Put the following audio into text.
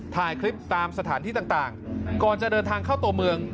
ถ่ายคลิปตามสถานที่ต่างก่อนจะเดินทางเข้าตัวเมือง